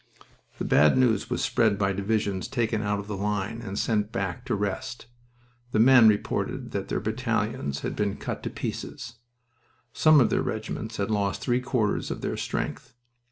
The bad news was spread by divisions taken out of the line and sent back to rest. The men reported that their battalions had been cut to pieces. Some of their regiments had lost three quarters of their strength.